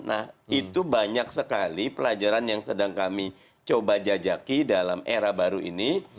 nah itu banyak sekali pelajaran yang sedang kami coba jajaki dalam era baru ini